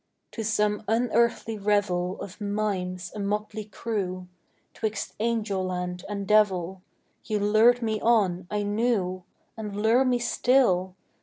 To some unearthly revel Of mimes, a motley crew, 'Twixt Angel land and Devil , You lured me on, I knew, And lure me still!